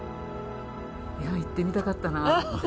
いやあ行ってみたかったなあ。